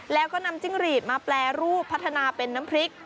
แล้วก็นำจิ้งหรีดมาแปรรูปพัฒนาเป็นน้ำพริก